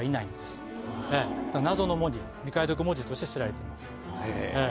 謎の文字未解読文字として知られています。